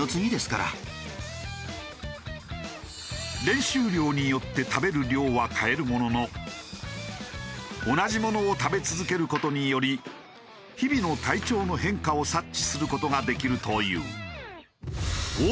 練習量によって食べる量は変えるものの同じものを食べ続ける事により日々の体調の変化を察知する事ができるという。